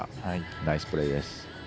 ナイスプレーです。